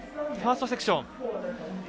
ファーストセクション。